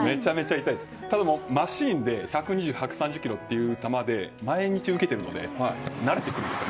ただ、マシーンで１２０、１３０という球で毎日、受けているので慣れてくるんです。